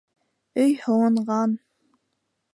Өй һыуынған.